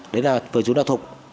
đây là phần dối đạo thục